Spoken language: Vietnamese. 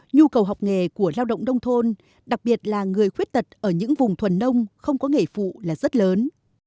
nhu cầu học nghề của lao động nông thôn đặc biệt là người khuyết tật ở những vùng thuần nông không có nghề phụ là rất lớn